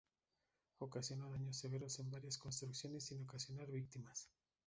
Ocasionó daños severos en varias construcciones sin ocasionar víctimas.